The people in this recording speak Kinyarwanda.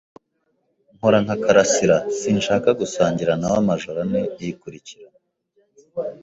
Nkora nka karasira. Sinshaka gusangira nawe amajoro ane yikurikiranya.